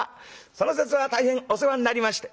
その節は大変お世話になりまして」。